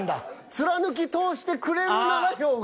貫き通してくれるなら票が。